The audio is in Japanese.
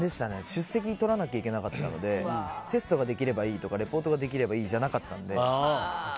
出席取らなきゃいけなかったのでテストができればいいとかレポートができればいいじゃなかったので。